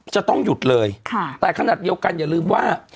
จะต้องหยุดเลยแต่ขนาดเดียวกันอย่าลืมว่า